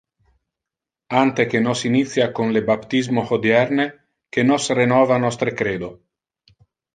Ante que nos initia con le baptismo hodierne, que nos renova nostre credo.